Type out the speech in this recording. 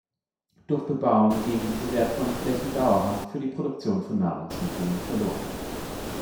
Durch Bebauung gehen diese wertvollen Flächen dauerhaft für die Produktion von Nahrungsmitteln verloren.